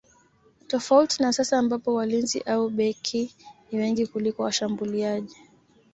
Tofauti na sasa ambapo walinzi au beki ni wengi kuliko washambuliaji